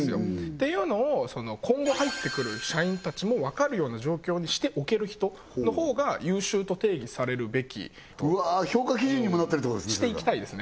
ていうのを今後入ってくる社員たちも分かるような状況にしておける人のほうが優秀と定義されるべきうわ評価基準にもなったりとかしていきたいですね